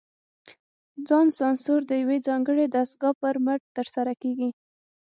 ځان سانسور د یوې ځانګړې دستګاه پر مټ ترسره کېږي.